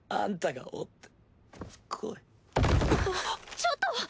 ちょっと！